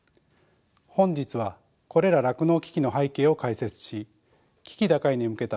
本日はこれら酪農危機の背景を解説し危機打開に向けた方策を提案します。